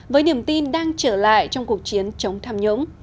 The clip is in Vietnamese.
với niềm tin đang trở lại trong cuộc chiến chống tham nhũng